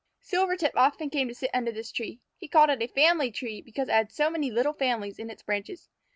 Silvertip often came to sit under this tree. He called it a family tree, because it had so many little families in its branches.